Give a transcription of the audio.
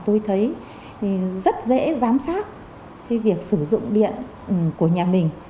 tôi thấy rất dễ giám sát cái việc sử dụng điện của nhà mình